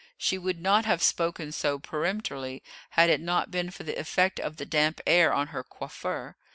She would not have spoken so peremptorily had it not been for the effect of the damp air on her coiffure.